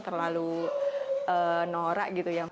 terlalu norak gitu ya